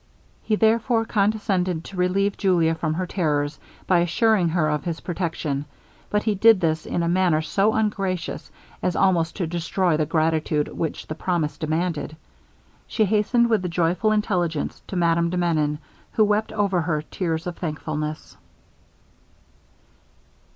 He therefore condescended to relieve Julia from her terrors, by assuring her of his protection; but he did this in a manner so ungracious, as almost to destroy the gratitude which the promise demanded. She hastened with the joyful intelligence to Madame de Menon, who wept over her tears of thankfulness.